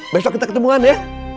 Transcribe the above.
besok kita ketemuan ya